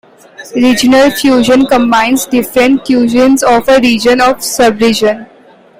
Regional fusion combines different cuisines of a region or sub-region.